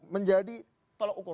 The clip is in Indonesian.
menjadi kalau ukur